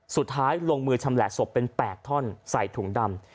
สุดท้ายลงมือชำแหละศพเป็น๘ท่อนใส่ถุงดำ